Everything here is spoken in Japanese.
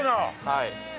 はい。